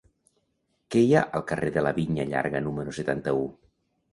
Què hi ha al carrer de la Vinya Llarga número setanta-u?